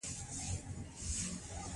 اتلسمه پوښتنه د مفاهمې او اړیکو په اړه ده.